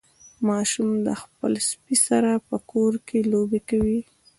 ماشوم د خپل سپي سره په کور کې لوبې کولې.